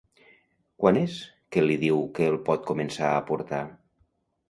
Quan és que li diu que el pot començar a portar?